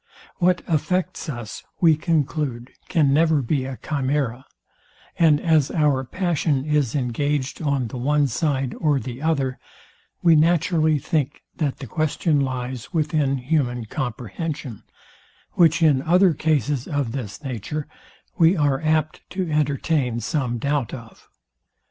What affects us, we conclude can never be a chimera; and as our passion is engaged on the one side or the other, we naturally think that the question lies within human comprehension; which, in other cases of this nature, we are apt to entertain some doubt of.